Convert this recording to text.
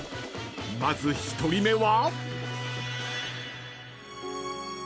［まず１人目は？］